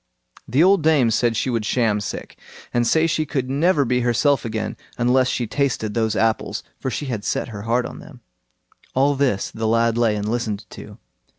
The old dame said she would sham sick, and say she could never be herself again unless she tasted those apples; for she had set her heart on them. All this the lad lay and listened to.